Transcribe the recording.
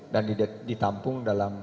dan ditampung dalam